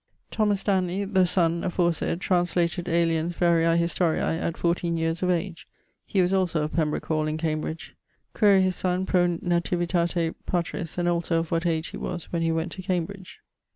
Thomas Stanley, the sonne, aforesayd, translated Aelian's Variae Historiae at 14 yeares of age. He was also of Pembrooke hall in Cambridge. Quaere his sonne pro nativitate patris and also of what age he was when he went to Cambridge.